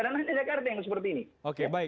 dan hanya jakarta yang seperti ini